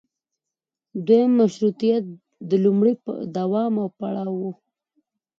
دویم مشروطیت د لومړي دوام او پړاو و.